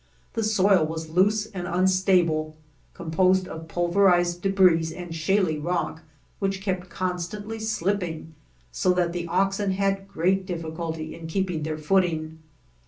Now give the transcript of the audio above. The soil was loose and unstable, composed of pulver ized debris and shaly rock, which kept constantly slipping, so that the oxen had great difficulty in keep ing their footing.